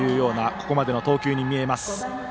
ここまでの投球に見えます。